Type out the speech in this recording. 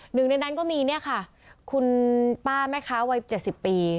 หนึ่งในนั้นก็มีเนี่ยค่ะคุณป้าแม่ค้าวัย๗๐ปี